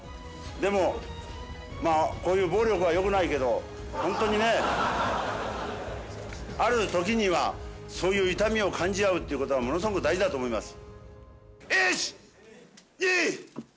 でも、こういう暴力はよくないけど、本当にね、ある時には、そういう痛みを感じ合うということがものすごく大事だと思います。